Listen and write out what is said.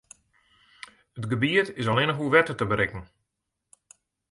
It gebiet is allinnich oer wetter te berikken.